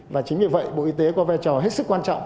và chính vì vậy bộ y tế có vai trò hết sức quan trọng